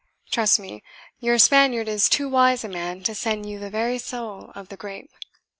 Trust me, your Spaniard is too wise a man to send you the very soul of the grape.